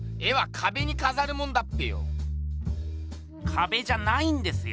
かべじゃないんですよ。